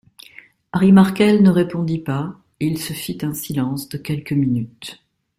Harry Markel ne répondit pas, et il se fit un silence de quelques minutes.